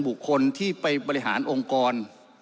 บุคคลที่ไปบริหารองค์กร